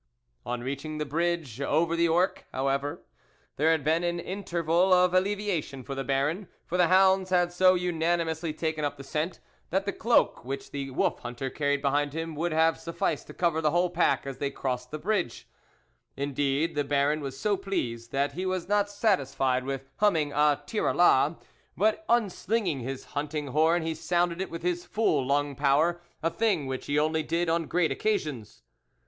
On reaching the bridge over the Ourcq, however, there had been an in terval of alleviation for the Baron, for the hounds had so unanimously taken up the scent, that the cloak which the wolf hunter carried behind him would have sufficed to cover the whole pack as they crossed the bridge. ao THE WOLF LEADER Indeed the Baron was so pleased, that he was not satisfied with hum ming a tirra la, but, unslinging his hunt ing horn he sounded it with his full lung power, a thing which he only did on great occasions.